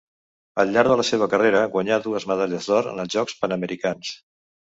Al llarg de la seva carrera guanyà dues medalles d'or en els Jocs Panamericans.